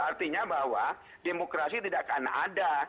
artinya bahwa demokrasi tidak akan ada